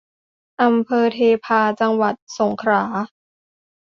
อำเภอเทพา จังหวัดสงขลา